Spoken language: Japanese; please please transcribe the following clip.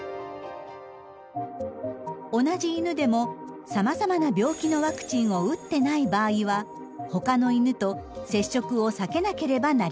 同じ犬でもさまざまな病気のワクチンを打ってない場合はほかの犬と接触を避けなければなりません。